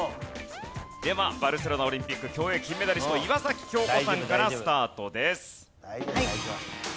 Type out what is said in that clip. ではバルセロナオリンピック競泳金メダリスト岩崎恭子さんからスタートです。